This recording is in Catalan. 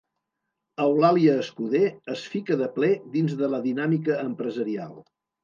Eulàlia Escuder es fica de ple dins de la dinàmica empresarial.